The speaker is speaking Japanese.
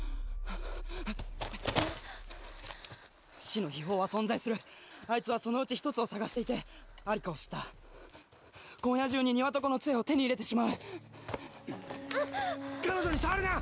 死の秘宝は存在するあいつはそのうち一つを探していて在りかを知った今夜中にニワトコの杖を手に入れてしまう彼女に触るな！